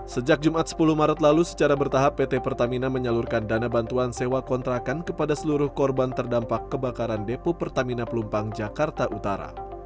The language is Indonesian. sejak jumat sepuluh maret lalu secara bertahap pt pertamina menyalurkan dana bantuan sewa kontrakan kepada seluruh korban terdampak kebakaran depo pertamina pelumpang jakarta utara